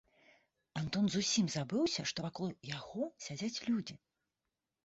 Антон зусім забыўся, што вакол яго сядзяць людзі.